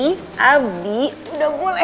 apa laskinannya kering banget